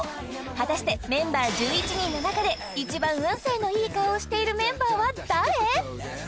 果たしてメンバー１１人の中で一番運勢の良い顔をしているメンバーは誰？